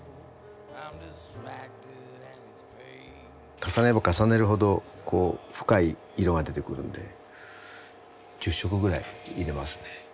重ねれば重ねるほどこう深い色が出てくるんで十色ぐらい入れますね。